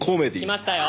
きましたよ。